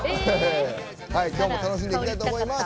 今日も楽しんでいきたいと思います。